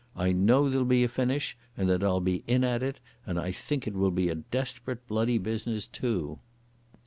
I know there'll be a finish and that I'll be in at it, and I think it will be a desperate, bloody business too."